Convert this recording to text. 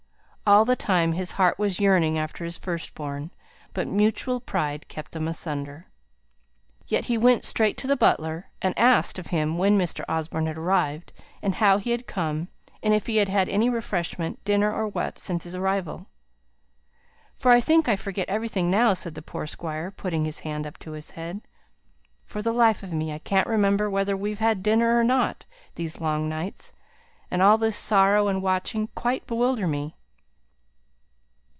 All the time his heart was yearning after his first born; but mutual pride kept them asunder. Yet he went straight to the butler, and asked of him when Mr. Osborne had arrived, and how he had come, and if he had had any refreshment dinner or what since his arrival? "For I think I forget everything now!" said the poor Squire, putting his hand up to his head. "For the life of me, I can't remember whether we've had dinner or not; these long nights, and all this sorrow and watching, quite bewilder me."